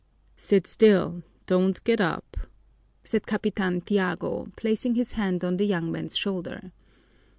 "Sit still, don't get up!" said Capitan Tiago, placing his hand on the young man's shoulder.